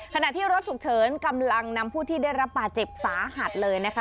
ขณะที่รถฉุกเฉินกำลังนำผู้ที่ได้รับบาดเจ็บสาหัสเลยนะคะ